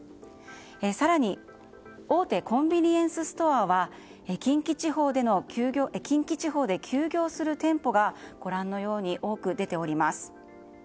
更に大手コンビニエンスストアは近畿地方で休業する店舗が多く出ています。